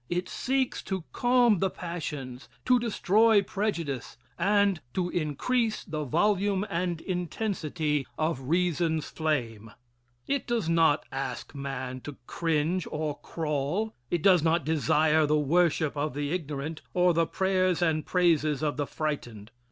It seeks to calm the passions, to destroy prejudice and to increase the volume and intensity of reason's flame. It does not ask man to cringe or crawl. It does not desire the worship of the ignorant or the prayers and praises of the frightened.